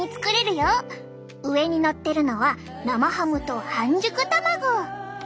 上にのってるのは生ハムと半熟卵。